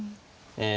ええ